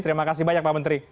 terima kasih banyak pak menteri